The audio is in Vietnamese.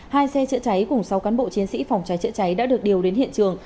hai xe chữa cháy cùng sáu cán bộ chiến sĩ phòng cháy chữa cháy đã được điều đến hiện trường